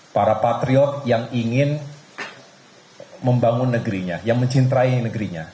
para patriot yang ingin membangun negerinya yang mencintai negerinya